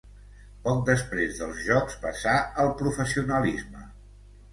Poc després dels Jocs passà al professionalisme.